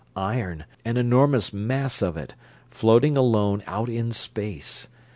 Iron an enormous mass of it floating alone out in space!